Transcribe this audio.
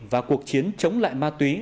và cuộc chiến chống lại ma túy